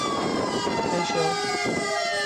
Kaixo!